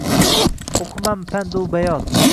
O’qimam pand u bayot.